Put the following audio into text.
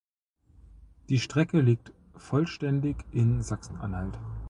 Die Strecke liegt vollständig in Sachsen-Anhalt.